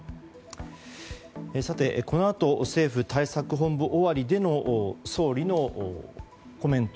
さて、このあと政府対策本部終わりでの総理のコメント。